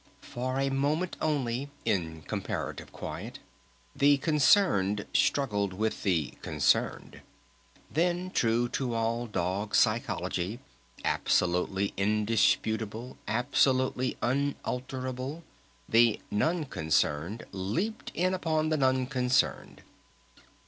For a moment only, in comparative quiet, the Concerned struggled with the Concerned. Then true to all Dog Psychology, absolutely indisputable, absolutely unalterable, the Non Concerned leaped in upon the Non Concerned!